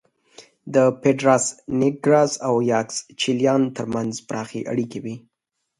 د پېډراس نېګراس او یاکسچیلان ترمنځ پراخې اړیکې وې